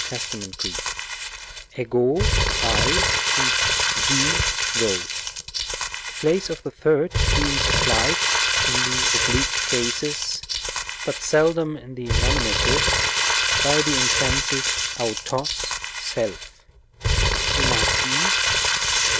Τὶ, Greek, ἐγώ, 1, and σύ, thou, the place of the third being supplied (in the oblique cases, but seldom in the nominative) by the intensive αὐτός, self, Rem, ὃ.